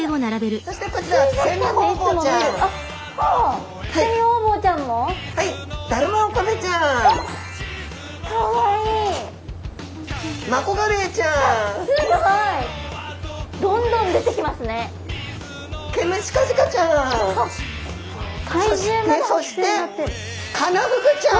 そしてそしてカナフグちゃん。